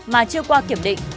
mà chưa qua kiểm định